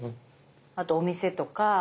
あとお店とか。